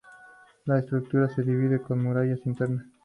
La estructura se dividía con murallas internas.